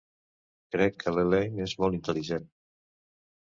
Crec que l'Elaine és molt intel·ligent.